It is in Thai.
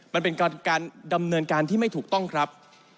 มันเป็นการดำเนินการที่ไม่ถูกต้องครับ